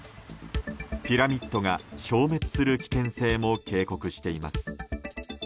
ピラミッドが消滅する危険性も警告しています。